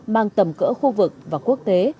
mang tầm cỡ khu vực và quốc tế